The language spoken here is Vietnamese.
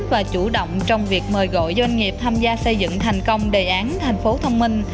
và chủ động trong việc mời gọi doanh nghiệp tham gia xây dựng thành công đề án thành phố thông minh